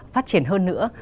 phát triển hơn nữa